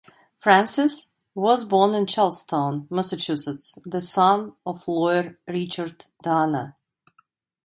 Francis was born in Charlestown, Massachusetts, the son of lawyer Richard Dana.